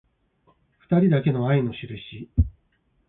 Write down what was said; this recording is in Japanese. ふたりだけの愛のしるし